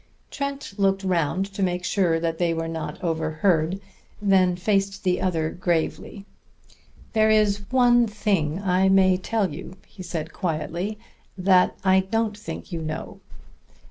Trent looked round to make sure that they were not overheard, then faced the other gravely. "There is one thing I may tell you," he said quietly, "that I don't think you know.